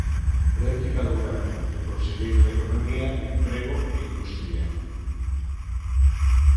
Réplica do Goberno, do conselleiro de Economía, Emprego e Industria.